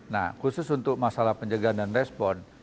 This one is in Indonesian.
nah khusus untuk masalah penjagaan dan respon